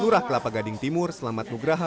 lurah kelapa gading timur selamat nugraha